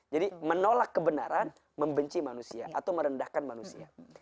jadi menolak kebenaran membenci manusia atau merendahkan manusia